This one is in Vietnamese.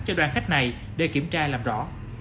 cho đoàn khách này để kiểm tra làm rõ